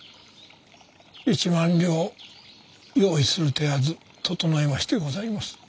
１万両用意する手はず整えましてございます。